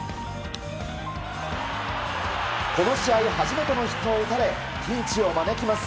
この試合初めてのヒットを打たれピンチを招きます。